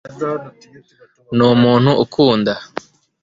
ni umuntu ukunda